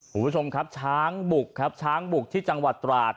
คุณผู้ชมครับช้างบุกครับช้างบุกที่จังหวัดตราด